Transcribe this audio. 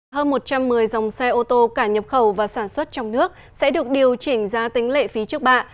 hơn một trăm một mươi dòng xe ô tô cả nhập khẩu và sản xuất trong nước sẽ được điều chỉnh ra tính lệ phí trước bạ